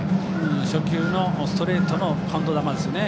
初球のストレートのカウント球ですね。